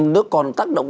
nó còn tác động